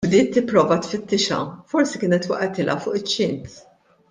Bdiet tipprova tfittixha, forsi kienet waqgħetilha fuq iċ-ċint.